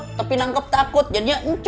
jadi percaya geun mak datang mwohatrc